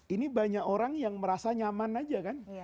ini banyak orang yang merasa nyaman aja kan